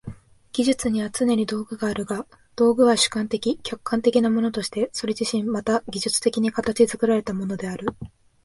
技術にはつねに道具があるが、道具は主観的・客観的なものとしてそれ自身また技術的に形作られたものである。